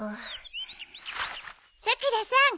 さくらさん。